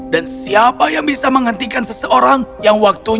dan siapa yang bisa menghentikan seseorang yang mencari kebenaran